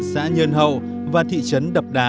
xã nhơn hậu và thị trấn đập đá